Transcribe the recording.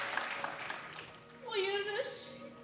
お許し。